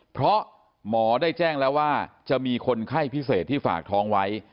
เพราะหมอได้แจ้งแล้วว่าจะมีคนไข้พิเศษที่ฝากท้องไว้